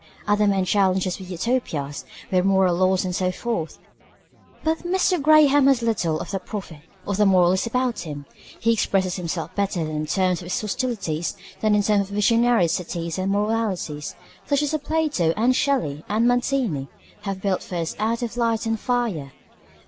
Other men challenge us with Utopias, with moral laws and so forth. But Mr. Graham has little of the prophet or the moralist about him. He expresses himself better in terms of his hostilities than in terms of visionary cities and moralities such as Plato and Shelley and Mazzini have built for us out of light and fire.